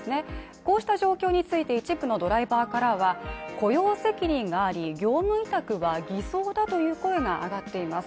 こうした状況について一部のドライバーからは雇用責任があり、業務委託は偽装だという声が上がっています。